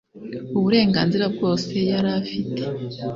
uburenganzira bwose yari afite